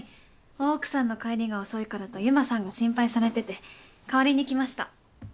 大奥さんの帰りが遅いからと由真さんが心配されてて代わりに来ました。